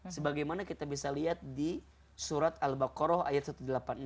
sebagaimana kita bisa lihat di surat al baqarah ayat satu ratus delapan puluh enam